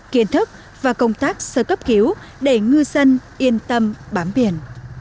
kiến thức và công tác sơ cấp cứu để ngư dân yên tâm bám biển